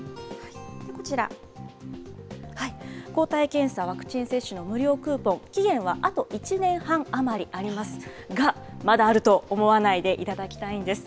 こちら、抗体検査、ワクチン接種の無料クーポン、期限はあと１年半余りありますが、まだあると思わないでいただきたいんです。